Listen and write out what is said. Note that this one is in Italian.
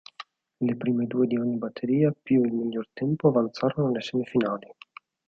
Le prime due di ogni batteria più il miglior tempo avanzarono alle semifinali.